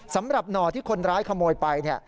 สำหรับหน่อที่คนร้ายขโมยไป